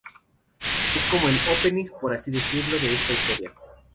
Es como el "opening" por así decirlo, de esta historia.